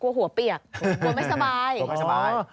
กลัวหัวเปียกกลัวไม่สบาย